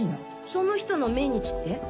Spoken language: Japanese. その人の命日って？